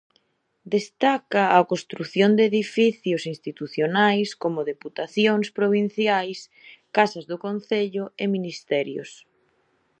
Destaca a construción de edificios institucionais como deputacións provinciais, casas do concello e ministerios.